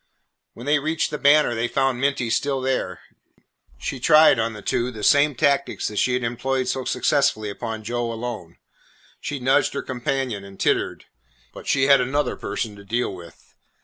When they reached the Banner, they found Minty still there. She tried on the two the same tactics that she had employed so successfully upon Joe alone. She nudged her companion and tittered. But she had another person to deal with.